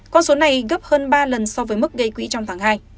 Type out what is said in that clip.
con số này gấp hơn ba lần so với mức gây quỹ trong tháng hai